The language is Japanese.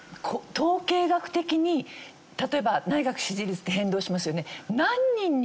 統計学的に例えば内閣支持率って変動しますよね。